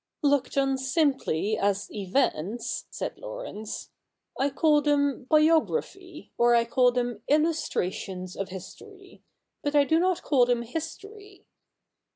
' Looked on simply as events,' said Laurence, ' I call them biography, or I call them ilhcstratiojis of history \ but I do not call them history.